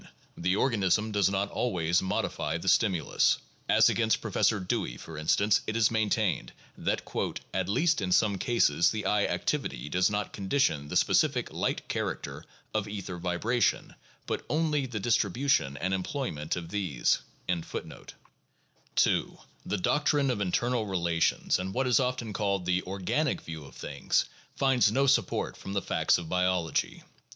The organism does not always modify the stimulus. As against Professor Dewey, for instance, it is maintained that "at least in some cases the eye activity does not condition the specific light character of ether vibration, but only the distribution and em ployment of these" (p. 417). 2. The doctrine of internal relations and what is often called the "organic" view of things find no support from the facts of biology.